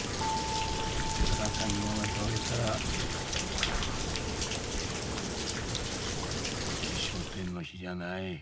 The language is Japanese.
江坂産業が倒れたら鈴木商店の比じゃない。